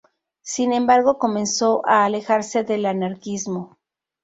Sin embargo comenzó a alejarse del anarquismo.